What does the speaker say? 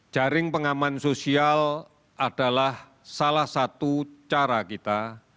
jaring pengaman sosial adalah salah satu cara kita